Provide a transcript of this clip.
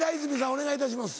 お願いいたします。